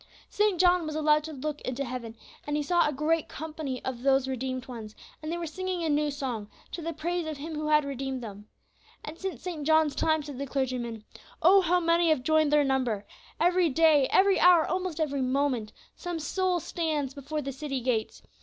"St. John was allowed to look into heaven, and he saw a great company of these redeemed ones, and they were singing a new song, to the praise of Him who had redeemed them. And since St. John's time," said the clergyman, "oh! how many have joined their number. Every day, every hour, almost every moment, some soul stands before the city gates.